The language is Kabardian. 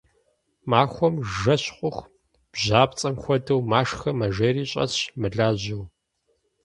Махуэм жэщ хъуху бжьапцӏэм хуэдэу машхэ мэжейри щӏэсщ, мылажьэу.